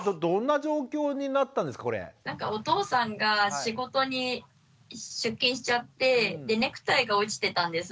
お父さんが仕事に出勤しちゃってネクタイが落ちてたんですね。